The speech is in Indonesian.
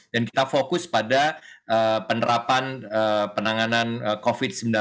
dan kita fokus pada penerapan penanganan covid sembilan belas